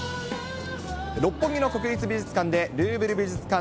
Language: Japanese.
六本木の国立美術館で、ルーヴル美術館